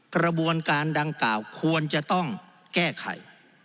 กระบวนการดังกล่าวควรจะต้องแก้ไข